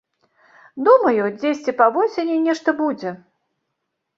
Думаю, дзесьці па восені нешта будзе.